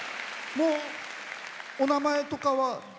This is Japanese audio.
もう、お名前とかは？